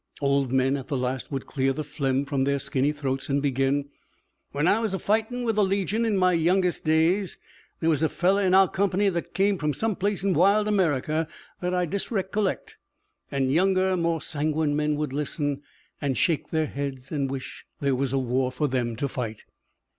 Old men, at the last, would clear the phlegm from their skinny throats and begin: "When I was a fightin' with the Legion in my youngest days, there was a fellow in our company that came from some place in wild America that I disrecollect." And younger, more sanguine men would listen and shake their heads and wish that there was a war for them to fight.